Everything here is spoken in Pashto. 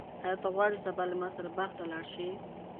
آیا ته غواړې چې سبا له ما سره باغ ته لاړ شې؟